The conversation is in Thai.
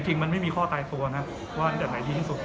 จริงมันไม่มีข้อตายตัวนะว่าจากไหนดีที่สุด